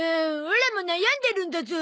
オラも悩んでるんだゾ。